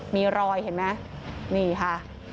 มีรอยเห็นไหมนี่ค่ะ